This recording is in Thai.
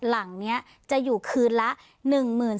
หลังเนี่ยจะอยู่คืนละ๑๓๙๐๐ถึง๑๕๙๐๐